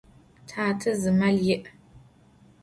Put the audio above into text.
Tate zı mel yi'.